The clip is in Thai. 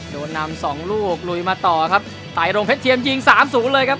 โดนนำ๒ลูกลุยมาต่อครับไตลงเพชรเทียมยิง๓สูงเลยครับ